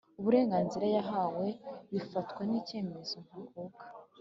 uburenganzira yahawe bifatwa nkicyemezo ntakuka